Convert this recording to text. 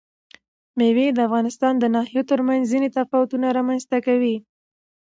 مېوې د افغانستان د ناحیو ترمنځ ځینې تفاوتونه رامنځ ته کوي.